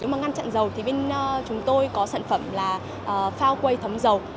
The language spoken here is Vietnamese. nếu mà ngăn chặn dầu thì bên chúng tôi có sản phẩm là phao quay thấm dầu